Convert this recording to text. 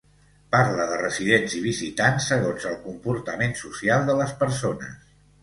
Parla de residents i visitants, segons el comportament social de les persones.